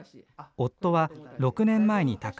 夫は６年前に他界。